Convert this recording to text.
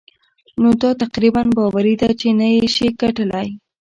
نو دا تقريباً باوري ده چې نه يې شې ګټلای.